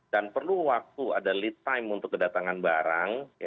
dan perlu waktu ada lead time untuk kedatangan barang